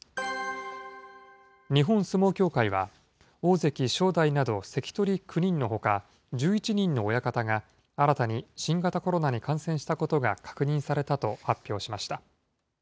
日本相撲協会は、大関・正代など関取９人のほか、１１人の親方が、新たに新型コロナに感染したことが確認されたと発表しました。